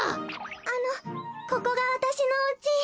あのここがわたしのおうち。